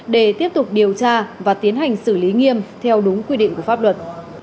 để tiếp tục điều tra và tiến hành xử lý nghiêm theo đúng quy định của pháp luật